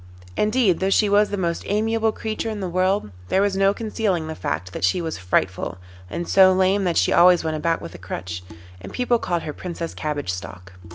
Indeed, though she was the most amiable creature in the world, there was no concealing the fact that she was frightful, and so lame that she always went about with a crutch, and people called her Princess Cabbage Stalk.